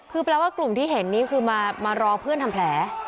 คือแปลว่ากลุ่มที่เห็นนี่คือมารอเพื่อนทำแผล